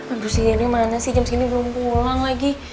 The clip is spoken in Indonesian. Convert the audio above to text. abis ini mana sih jam segini belum pulang lagi